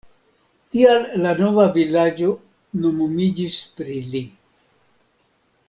Tial la nova vilaĝo nomumiĝis pri li.